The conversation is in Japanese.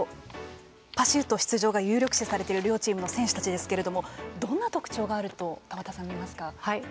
パシュート出場が有力視されている両チームの選手たちですけれどもどんな特徴があると田畑さんは見ますか。